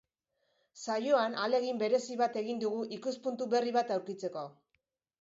Saioan ahalegin berezi bat egin dugu ikuspuntu berri bat aurkitzeko.